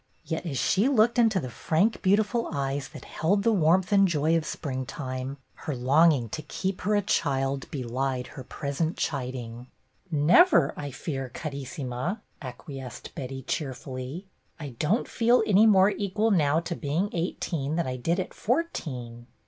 Yet as she looked into the frank beautiful eyes that held MANY A TRUE WORD 1 1 the warmth and joy of springtime, her long ing to keep her a child belied her pleasant chiding. "Never, I fear, Carissima,'^ acquiesced Betty, cheerfully. "I don't feel any more equal now to being eighteen than I did at fourteen."